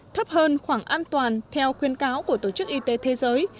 thấp hơn khoảng an toàn theo khuyên cáo của tổ chức y tế thế giới